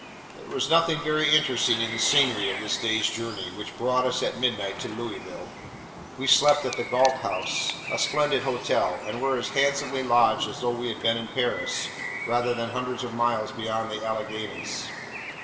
There was nothing very interesting in the scenery of this day's journey, which brought us at midnight to Louisville. We slept at the Galt House; a splendid hotel; and were as handsomely lodged as though we had been in Paris, rather than hundreds of miles beyond the Alleghanies.